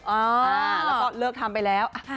อ่าแล้วก็เลิกทำไปแล้ว